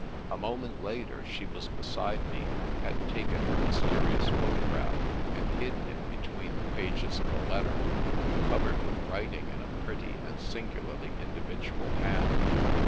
A moment later she was beside me, had taken her mysterious photograph, and hidden it between the pages of a letter, covered with writing in a pretty and singularly individual hand.